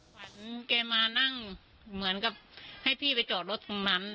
แกมานั่งเหมือนกับให้พี่ไปจอดรถตรงนั้น